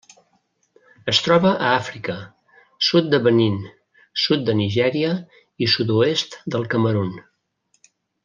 Es troba a Àfrica: sud de Benín, sud de Nigèria i sud-oest del Camerun.